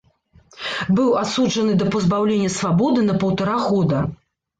Быў асуджаны да пазбаўлення свабоды на паўтара года.